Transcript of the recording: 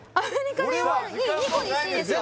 俺は２個にしていいですか？